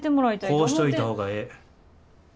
こうしといた方がええ。